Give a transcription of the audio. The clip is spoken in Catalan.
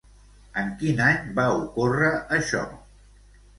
En quin any va ocórrer això?